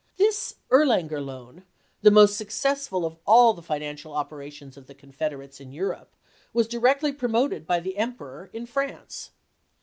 This Erlanger loan, the most successful of all the financial operations of the Confederates in Europe, was directly promoted by the Emperor in France.